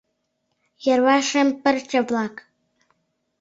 Йырваш шем пырче-влак!